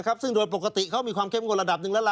ซึ่งโดยปกติเขามีความเข้มงวดระดับหนึ่งแล้วล่ะ